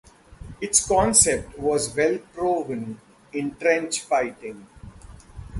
Its concept was well-proven in trench fighting.